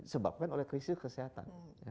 disebabkan oleh krisis kesehatan